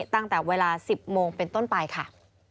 ตั้งแต่เวลา๑๐โมงเป็นต้นไปค่ะ